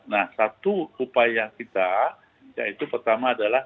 nah satu upaya kita yaitu pertama adalah